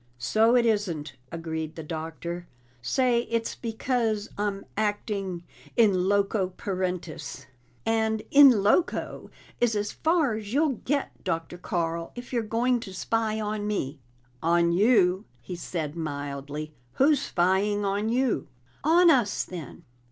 "So it isn't," agreed the Doctor. "Say it's because I'm acting in loco parentis." "And in loco is as far as you'll get, Dr. Carl, if you're going to spy on me!" "On you?" he said mildly. "Who's spying on you?" "On us, then!"